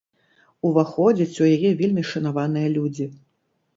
Уваходзяць у яе вельмі шанаваныя людзі.